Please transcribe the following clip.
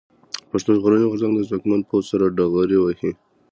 پښتون ژغورني غورځنګ د ځواکمن پوځ سره ډغرې وهي.